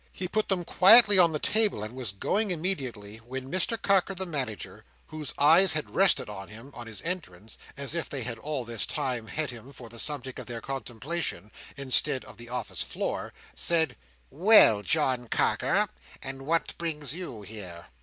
He put them quietly on the table, and was going immediately, when Mr Carker the Manager, whose eyes had rested on him, on his entrance, as if they had all this time had him for the subject of their contemplation, instead of the office floor, said: "Well, John Carker, and what brings you here?"